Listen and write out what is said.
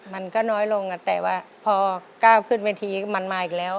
มันก็น้อยลงแต่ว่าพอก้าวขึ้นเวทีมันมาอีกแล้ว